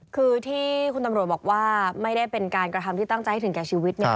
คือที่คุณตำรวจบอกว่าไม่ได้เป็นการกระทำที่ตั้งใจให้ถึงแก่ชีวิต